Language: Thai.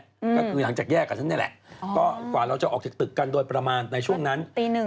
ก็คือหลังจากแยกกันนั่นแหละกว่าเราจะออกเจ็บตึกกันโดยประมาณในช่วงนั้น